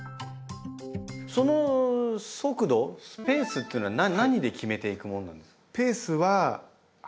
その速度ペースっていうのは何で決めていくものなんですか？